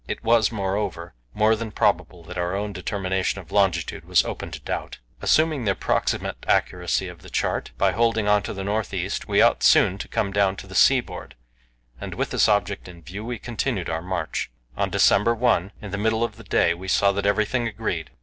It was, moreover, more than probable that our own determination of longitude was open to doubt. Assuming the approximate accuracy of the chart, by holding on to the north east we ought soon to come down to the seaboard, and with this object in view we continued our march. On December 1, in the middle of the day, we saw that everything agreed.